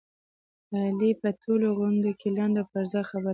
علي په ټولو غونډوکې لنډه او پرځای خبره کوي.